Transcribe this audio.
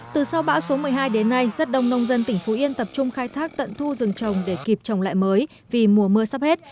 từ sau bão số một mươi hai đến nay rất đông nông dân tỉnh phú yên tập trung khai thác tận thu rừng trồng để kịp trồng lại mới vì mùa mưa sắp hết